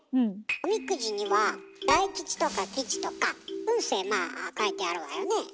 おみくじには「大吉」とか「吉」とか運勢まあ書いてあるわよね。